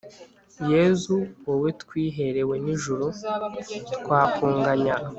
yezu, wowe twiherewe n'ijuru; twakunganya